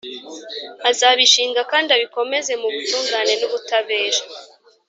azabishinga kandi abikomeze mu butungane n’ubutabera,